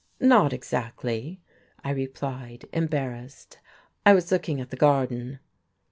"Not exactly," I replied, embarrassed. "I was looking at the garden."